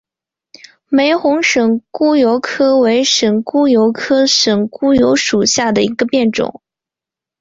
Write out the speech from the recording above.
玫红省沽油为省沽油科省沽油属下的一个变种。